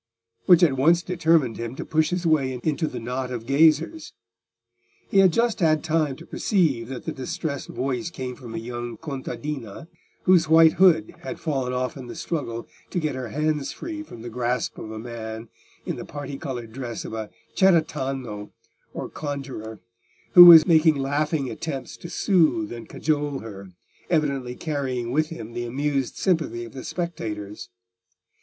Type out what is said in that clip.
which at once determined him to push his way into the knot of gazers. He had just had time to perceive that the distressed voice came from a young contadina, whose white hood had fallen off in the struggle to get her hands free from the grasp of a man in the parti coloured dress of a cerretano, or conjuror, who was making laughing attempts to soothe and cajole her, evidently carrying with him the amused sympathy of the spectators.